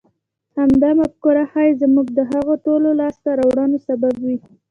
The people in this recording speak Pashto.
همدا مفکوره ښايي زما د هغو ټولو لاسته راوړنو سبب وي.